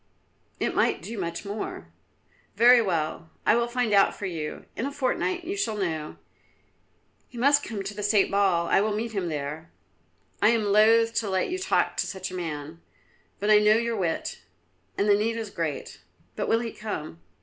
"It might do much more." "Very well, I will find out for you; in a fortnight you shall know. He must come to the State Ball; I will meet him there." "I am loth to let you talk to such a man, but I know your wit, and the need is great. But will he come?"